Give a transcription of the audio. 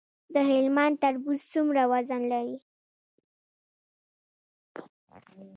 د هلمند تربوز څومره وزن لري؟